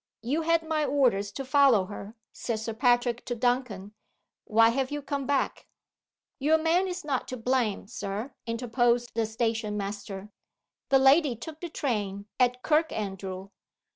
"You had my orders to follow her," said Sir Patrick to Duncan. "Why have you come back?" "Your man is not to blame, Sir," interposed the station master. "The lady took the train at Kirkandrew."